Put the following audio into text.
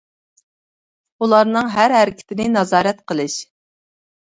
ئۇلارنىڭ ھەر ھەرىكىتىنى نازارەت قىلىش.